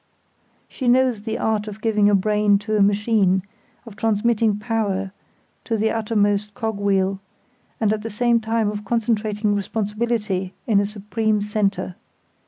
She knows the art of giving a brain to a machine, of transmitting power to the uttermost cog wheel, and at the same time of concentrating responsibility in a supreme centre.